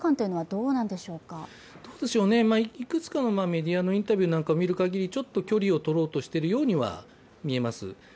どうでしょううね、いくつかのメディアのインタビューを見るかぎりちょっと距離を取ろうとしているようには見えます。